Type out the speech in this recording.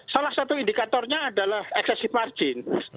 salah satu indikatornya adalah eksesif margin